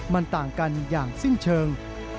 มันต่างกันอย่างสิ้นเชิง